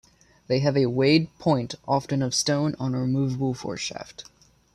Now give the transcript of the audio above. They have a weighted "point", often of stone, on a removable foreshaft.